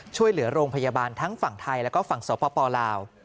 ช่วยเหลือโรงพยาบาลทั้งฝั่งไทยแล้วก็ฝั่งสปลาว